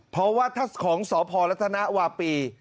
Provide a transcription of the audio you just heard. เพราะว่าถ้าของสพรัฐนาวาปี